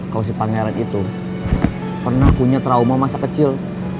kalau si pangeran itu pernah punya trauma masa kecil